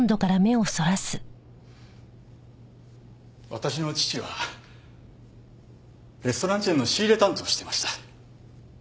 私の父はレストランチェーンの仕入れ担当をしていました。